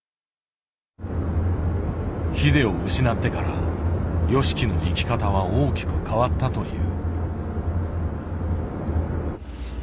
ＨＩＤＥを失ってからＹＯＳＨＩＫＩの生き方は大きく変わったという。